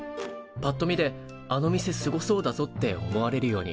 ぱっと見であの店すごそうだぞって思われるように。